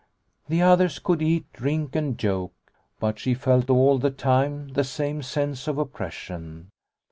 The others could eat, drink, and joke, but she felt all the time the same sense of oppression.